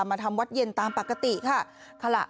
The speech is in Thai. มาทำวัดเย็นตามปกติค่ะ